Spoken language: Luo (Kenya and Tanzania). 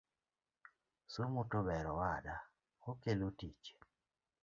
Somo tober owada, okelo tich